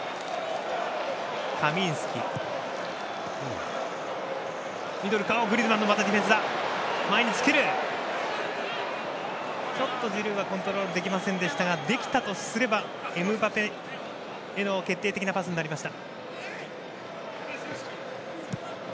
ジルーはちょっとコントロールできませんでしたができたとしたらエムバペへの決定的なパスもありました。